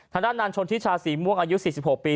ธนาจนานชนทิชาสีม่วงอายุ๔๖ปี